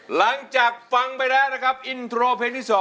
หลังจากฟังไปแล้วนะครับอินโทรเพลงที่๒